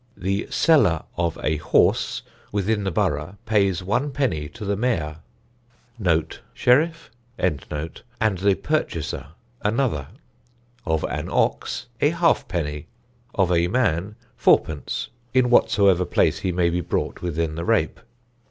"The seller of a horse, within the borough, pays one penny to the mayor (sheriff?) and the purchaser another; of an ox, a half penny; of a man, fourpence, in whatsoever place he may be brought within the rape.